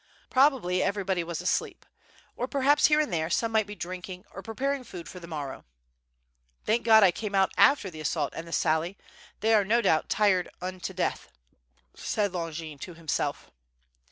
Probably everybody was asleep, or perhaps here and there some might be drinking or preparing food for the morrow. "Thank God that I came out after the assault and the sally. They are no doubt tired unto death," said Longin to himself.